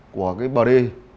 của cái bờ đê